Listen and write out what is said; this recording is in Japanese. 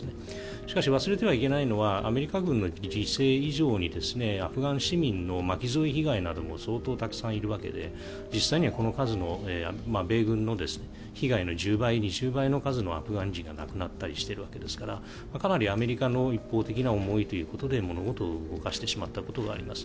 しかし忘れてはいけないのはアメリカの犠牲以上にアフガン市民の巻き添え被害なども相当たくさんいるわけで実際にはこの数の米軍の被害の１０倍、２０倍の数のアフガン人が亡くなったりしているわけですからかなりアメリカの一方的な思いで物事を動かしてしまったということがあります。